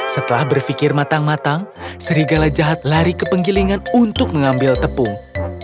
setelah berpikir matang matang serigala jahat lari ke penggilingan untuk mengambil tepung